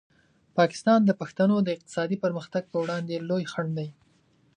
پاکستان د پښتنو د اقتصادي پرمختګ په وړاندې لوی خنډ دی.